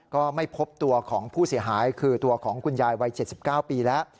ก็ไม่พบตัวของผู้เสียหายคือตัวของคุณยายวัย๗๙ปีแล้ว